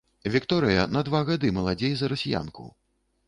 Вікторыя на два гады маладзей за расіянку.